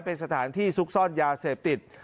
เป็นสถานที่ซุกซ่อนยาเสพติด